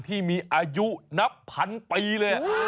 ที่มีอายุนับพันปีเลย